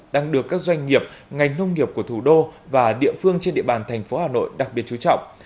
đang được các doanh nghiệp ngành nông nghiệp của thủ đô và địa phương trên địa bàn thành phố hà nội đặc biệt chú trọng